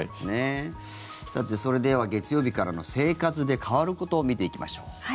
さて、それでは月曜日からの生活で変わること見ていきましょう。